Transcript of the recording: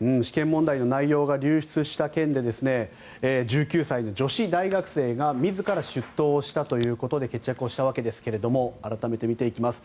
試験問題の内容が流出した件で１９歳の女子大学生が自ら出頭したということで決着したわけですが改めて見ていきます。